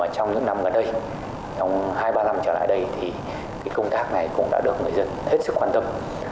trong những năm gần đây trong hai ba năm trở lại đây thì công tác này cũng đã được người dân hết sức quan tâm